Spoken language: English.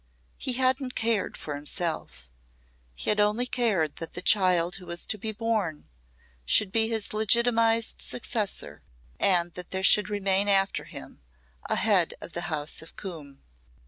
He hadn't cared for himself; he had only cared that the child who was to be born should be his legitimatised successor and that there should remain after him a Head of the House of Coombe.